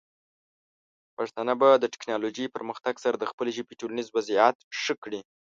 پښتانه به د ټیکنالوجۍ پرمختګ سره د خپلې ژبې ټولنیز وضعیت ښه کړي.